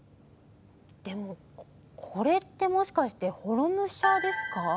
でも、これって、もしかして母衣武者ですか？